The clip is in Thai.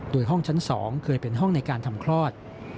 โดยห้องชั้น๒เคยเป็นห้องในการทำคลอด